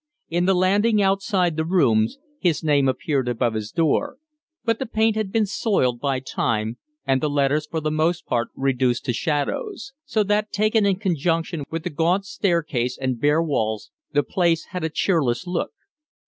In the landing outside the rooms his name appeared above his door, but the paint had been soiled by time, and the letters for the most part reduced to shadows; so that, taken in conjunction with the gaunt staircase and bare walls, the place had a cheerless look.